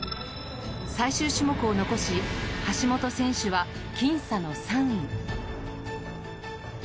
最終種目を残し橋本選手は僅差の３位。